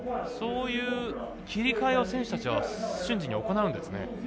そういう切り替えを選手たちは瞬時に行うんですね。